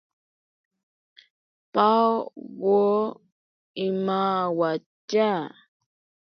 Pawo imawatya.